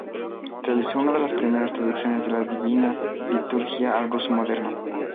Realizó una de las primeras traducciones de la Divina Liturgia al ruso moderno.